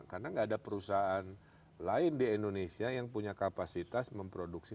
karena tidak ada perusahaan lain di indonesia yang punya kapasitas memproduksi